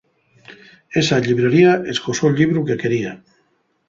Esa llibrería escosó'l llibru que quería.